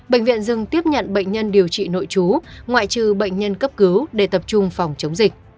bệnh viện dừng tiếp nhận bệnh nhân điều trị nội chú ngoại trừ bệnh nhân cấp cứu để tập trung phòng chống dịch